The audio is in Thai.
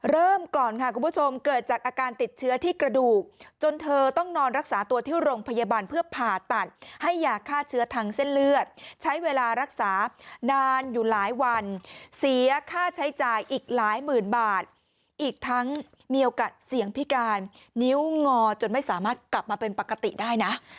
เริ่มก่อนค่ะคุณผู้ชมเกิดจากอาการติดเชื้อที่กระดูกจนเธอต้องนอนรักษาตัวที่โรงพยาบาลเพื่อผ่าตัดให้ยาฆ่าเชื้อทางเส้นเลือดใช้เวลารักษานานอยู่หลายวันเสียค่าใช้จ่ายอีกหลายหมื่นบาทอีกทั้งมีโอกาสเสี่ยงพิการนิ้วงอจนไม่สามารถกลับมาเป็นปกติได้นะ